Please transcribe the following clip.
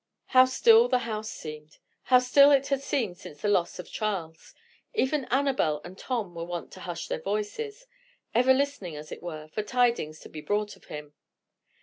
How still the house seemed! How still it had seemed since the loss of Charles! Even Annabel and Tom were wont to hush their voices; ever listening, as it were, for tidings to be brought of him.